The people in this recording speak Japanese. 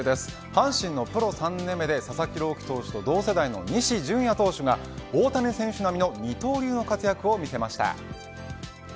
阪神のプロ３年目で佐々木朗希投手と同世代の西純矢選手が大谷選手並みの二刀流の活躍を見せました。